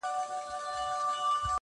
سفر دی بدل سوی، منزلونه نا اشنا دي٫